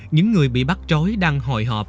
những người bị bắt trối đang hồi hộp